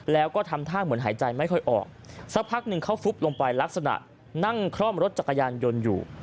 แล้วก็ทำท่าเหมือนหายใจไม่ค่อยออกสักพักหนึ่งเขาฟุบลงไปลักษณะนั่งคล่อมรถจักรยานยนต์อยู่